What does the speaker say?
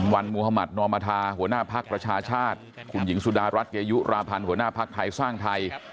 วันมุธมัธนอมธาหัวหน้าภักดิ์ประชาชาติคุณหญิงสุดารัฐเกยุราพันธ์หัวหน้าภักดิ์ไทยสร้างไทย